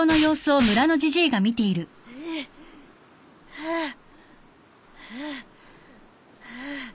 ハァハァハァ